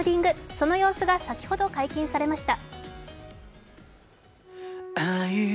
その様子が先ほど解禁されました。